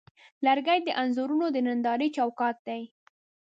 لرګی د انځورونو د نندارې چوکاټ دی.